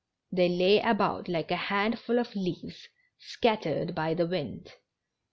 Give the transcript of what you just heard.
They lay about like a handful of leaves scattered by the wind.